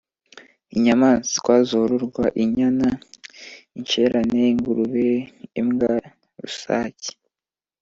inyamaswa zororwa : inyana, incarna, ingurube, imbwa, rusake ;